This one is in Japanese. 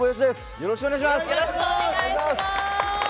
よろしくお願いします。